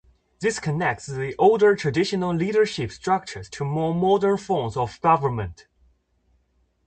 This connects the older traditional leadership structures to more modern forms of government.